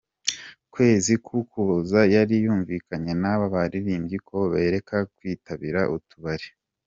kwezi kUkuboza yari yumvikanye naba baririmbyi ko bareka kwitabira utubari.